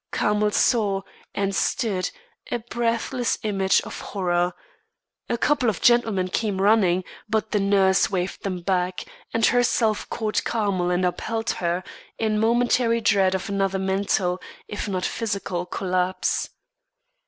Carmel saw, and stood a breathless image of horror. A couple of gentlemen came running; but the nurse waved them back, and herself caught Carmel and upheld her, in momentary dread of another mental, if not physical, collapse.